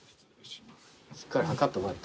しっかり測ってもらって。